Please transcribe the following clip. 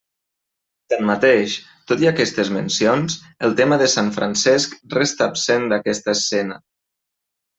Tanmateix, tot i aquestes mencions, el tema de sant Francesc resta absent d'aquesta escena.